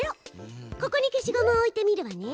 ここに消しゴムを置いてみるわね。